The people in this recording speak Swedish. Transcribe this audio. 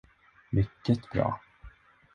Mycket bra.